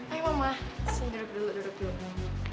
ayo mama sini duduk dulu duduk dulu